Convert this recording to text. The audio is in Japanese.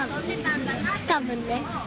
たぶんね。